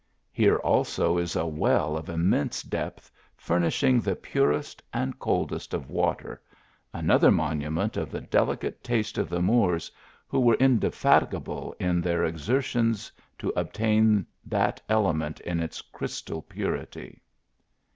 Here, also, is a well of immense depth, furnishing the purest and coldest of water, another monument of the delicate taste of the Moors, who were inde fatigable in their exertions to obtain that element in its crystal purity.